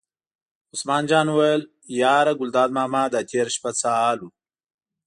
عثمان جان وویل: یاره ګلداد ماما دا تېره شپه څه حال و.